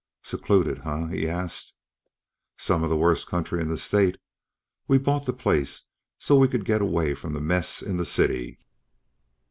"Secluded, huh?" He asked. "Some of the worst country in the state. We bought the place so we could get away from the mess in the city."